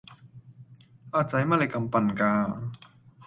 阿仔乜你咁笨架